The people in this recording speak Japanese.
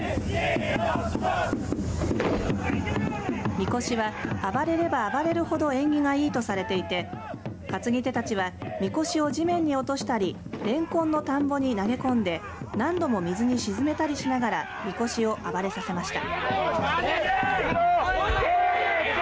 みこしは暴れれば暴れるほど縁起がいいとされていて担ぎ手たちはみこしを地面に落としたりレンコンの田んぼに投げ込んで何度も水に沈めたりしながらみこしを暴れさせました。